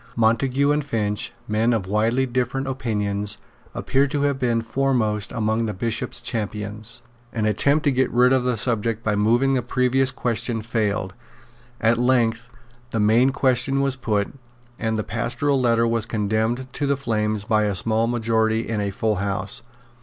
Montague and Finch, men of widely different opinions, appear to have been foremost among the Bishop's champions. An attempt to get rid of the subject by moving the previous question failed. At length the main question was put; and the Pastoral Letter was condemned to the flames by a small majority in a full house.